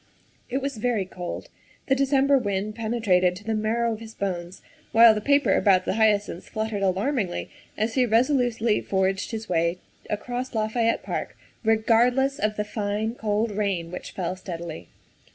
It was very cold. The December wind penetrated to the marrow of his bones, while the paper about the hyacinths fluttered alarmingly as he resolutely forged his way across Lafayette Park, regardless of the fine, cold rain which fell steadily.